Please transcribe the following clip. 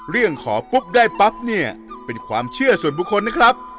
เรื่องขอปุ๊บได้ปั๊บเนี่ยเป็นความเชื่อส่วนบุคคลนะครับ